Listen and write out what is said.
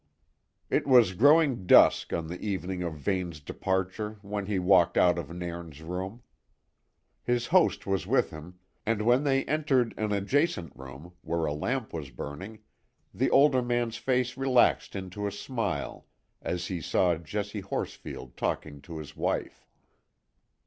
It was growing dusk on the evening of Vane's departure when he walked out of Nairn's room. His host was with him, and when they entered an adjacent room, where a lamp was burning, the older man's face relaxed into a smile as he saw Jessie Horsfield talking to his wife.